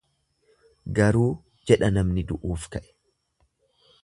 Garuu jedha namni du'uuf ka'e.